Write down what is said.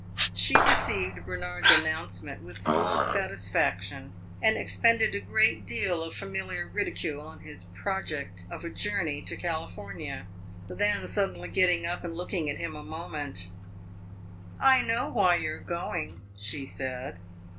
She received Bernard's announcement with small satisfaction, and expended a great deal of familiar ridicule on his project of a journey to California. Then, suddenly getting up and looking at him a moment "I know why you are going," she said.